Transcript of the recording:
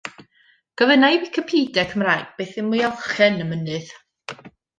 Gofynna i Wicipedia Cymraeg beth yw Mwyalchen Y Mynydd?